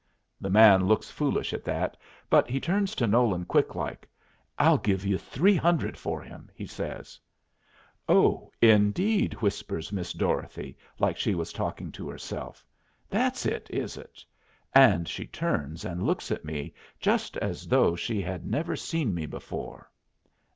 The man looks foolish at that, but he turns to Nolan quick like. "I'll give you three hundred for him," he says. "Oh, indeed!" whispers Miss Dorothy, like she was talking to herself. "That's it, is it?" And she turns and looks at me just as though she had never seen me before.